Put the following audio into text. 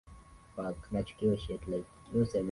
Tulipanda ndege kwa masaa mawili